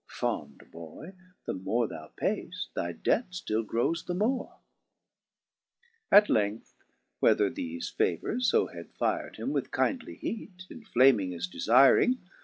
Fond boy ! the more thou paift, thy debt ftill grows the more, 6. At length, whether thefe favours (b had fir'd him With kindly heate, inflaming his defiring.